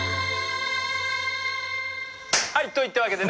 はい！といったわけでね